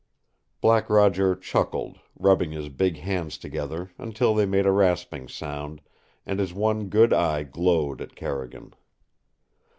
Black Roger chuckled, rubbing his big hands together until they made a rasping sound, and his one good eye glowed at Carrigan.